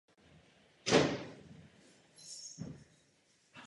Zároveň předsedal spolku Mizrachi pro Moravskou Ostravu a okolí.